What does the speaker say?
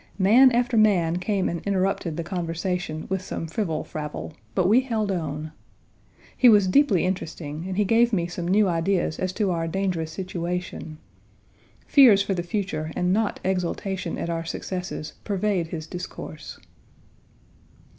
Man after man came and interrupted the conversation with some frivle fravle, but we held on. He was deeply interesting, and he gave me some new ideas as to our dangerous situation. Fears for the future and not exultation at our successes pervade his discourse.